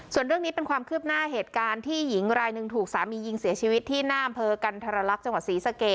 ส่วนเรื่องนี้เป็นความคืบหน้าเหตุการณ์ที่หญิงรายหนึ่งถูกสามียิงเสียชีวิตที่หน้าอำเภอกันทรลักษณ์จังหวัดศรีสะเกด